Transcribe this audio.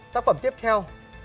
tác phẩm tiếp theo